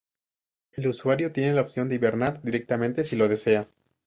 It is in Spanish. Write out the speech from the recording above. El usuario tiene la opción de hibernar directamente si lo desea.